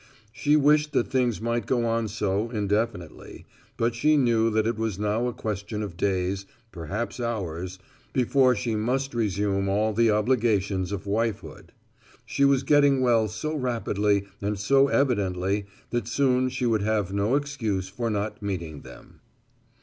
She wished that things might go on so indefinitely, but she knew that it was now a question of days, perhaps of hours, before she must reassume all the obligations of wifehood. She was getting well so rapidly and so evidently that soon she would have no excuse for not meeting them.